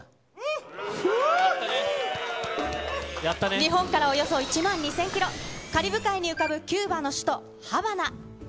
日本からおよそ１万２０００キロ、カリブ海に浮かぶキューバの首都ハバナ。